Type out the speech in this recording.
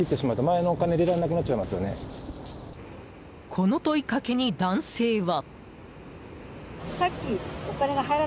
この問いかけに男性は。